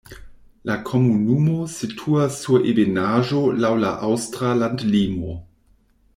La komunumo situas sur ebenaĵo laŭ la aŭstra landlimo.